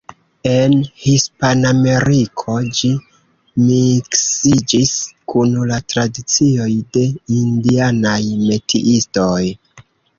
En Hispanameriko, ĝi miksiĝis kun la tradicioj de indianaj metiistoj.